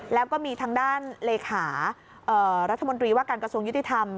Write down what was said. แล้วก็มีทางด้านเลขารัฐมนตรีว่าการกระทรวงยุติธรรม